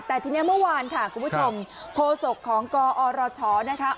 แต่ทีนี้เมื่อวานค่ะคุณผู้ชมโคศกของกอรชนะคะ